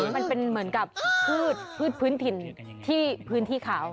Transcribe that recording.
มันเป็นเหมือนกับพืชพื้นถิ่นที่พื้นที่ขาว